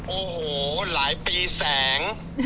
โอ้โหหลายปีแสง